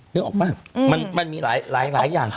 นึกออกป่ะมันมีหลายอย่าง